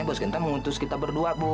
makanya bos genta mau ngutus kita berdua bu